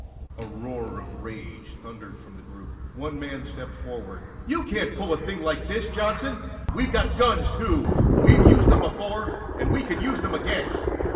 A roar of rage thundered from the group. One man stepped forward. "You can't pull a thing like this, Johnson. We've got guns, too. We've used them before, and we can use them again!"